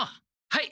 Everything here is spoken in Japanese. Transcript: はい！